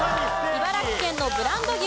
茨城県のブランド牛